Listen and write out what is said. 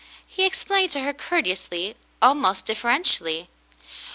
He explained to her cour teously — almost deferentially.